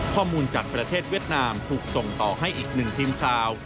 ข้อมูลจากประเทศเวียดนามถูกส่งต่อให้อีกหนึ่งทีมข่าว